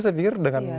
saya pikir dengan